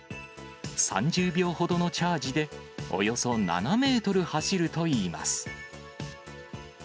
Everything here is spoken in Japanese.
３０秒ほどのチャージでおよそ７メートル走るといいます。